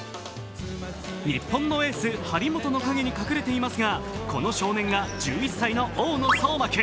日本のエース・張本の影に隠れていますがこの少年が１１歳の大野颯真君。